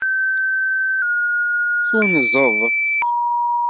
Tunzeḍ.